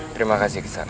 terima kasih kisana